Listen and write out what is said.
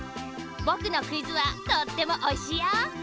ぼくのクイズはとってもおいしいよ！